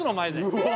うわ！